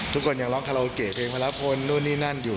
ทุกคนยังร้องคาราโอเกะเพลงพระพลนู่นนี่นั่นอยู่